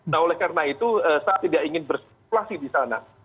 nah oleh karena itu saya tidak ingin berspekulasi di sana